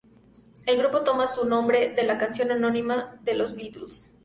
El grupo toma su nombre de la canción homónima de los Beatles.